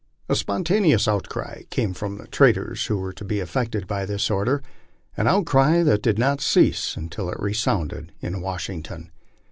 A spontaneous outcry came from the traders who were to be affected by this order an outcry that did not cease until it resounded in Washington.